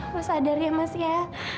harus sadar ya mas ya